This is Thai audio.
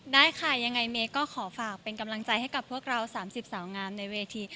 ได้ค่ะยังไงเมย์ก็ขอฝากเป็นกำลังใจให้กับพวกเรา๓๐สาวงามในเวที